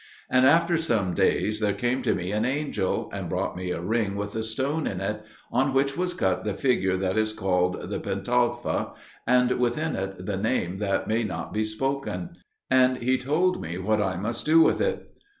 And after some days there came to me an angel, and brought me a ring with a stone in it, on which was cut the figure that is called the Pentalpha and within it the Name that may not be spoken; and he told me what I must do with it.